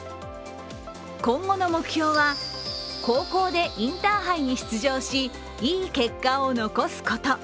今後の目標は高校でインターハイに出場し、いい結果を残すこと。